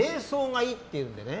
瞑想がいいっていうんでね。